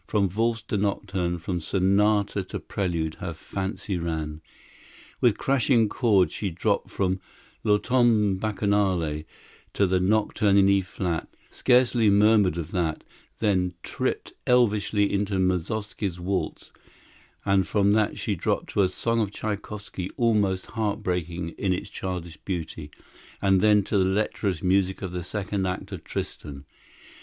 From valse to nocturne, from sonata to prelude, her fancy ran. With crashing chords she dropped from "L'Automne Bacchanale" to the Nocturne in E flat; scarcely murmured of that, then tripped elvishly into Moszkowsky's Waltz, and from that she dropped to a song of Tchaikowsky, almost heartbreaking in its childish beauty, and then to the lecherous music of the second act of "Tristan."